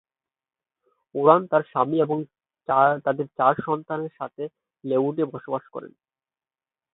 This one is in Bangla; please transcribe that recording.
ওয়ারেন তার স্বামী এবং তাদের চার সন্তানের সাথে লেউডে বসবাস করেন।